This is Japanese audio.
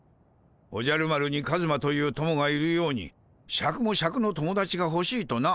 おじゃる丸にカズマという友がいるようにシャクもシャクの友達がほしいとな。